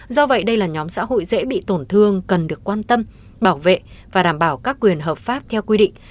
do vậy đây là nhóm xã hội dễ bị tổn thương cần được quan tâm bảo vệ và đảm bảo các quyền hợp pháp theo quy định